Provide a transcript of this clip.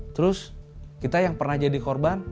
terus kita yang pernah jadi korban